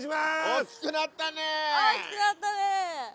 大きくなったね。